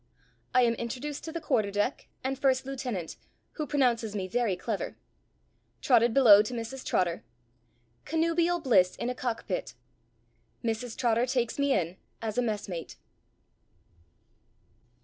I AM INTRODUCED TO THE QUARTER DECK, AND FIRST LIEUTENANT, WHO PRONOUNCES ME VERY CLEVER TROTTED BELOW TO MRS. TROTTER CONNUBIAL BLISS IN A COCK PIT MRS. TROTTER TAKES ME IN, AS A MESSMATE.